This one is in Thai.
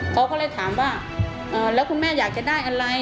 เขาก็เลยถามว่าแล้วคุณแม่อยากจะได้อะไร